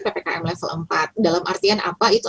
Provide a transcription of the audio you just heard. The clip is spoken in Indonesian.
ppkm level empat dalam artian apa itu